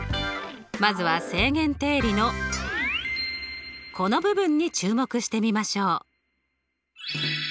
まずは正弦定理のこの部分に注目してみましょう。